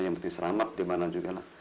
yang penting selamat dimana juga lah